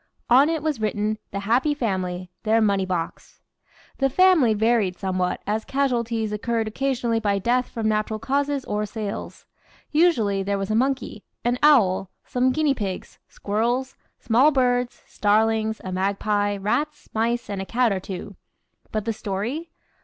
On it was written "The Happy Family their money box." The family varied somewhat, as casualties occurred occasionally by death from natural causes or sales. Usually, there was a Monkey, an Owl, some Guinea pigs, Squirrels, small birds, Starlings, a Magpie, Rats, Mice, and a Cat or two. But the story?